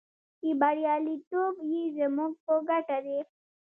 چې بریالیتوب یې زموږ په ګټه دی.